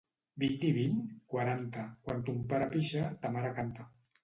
—Vint i vint? —Quaranta. —Quan ton pare pixa, ta mare canta.